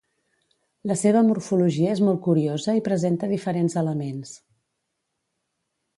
La seva morfologia és molt curiosa i presenta diferents elements.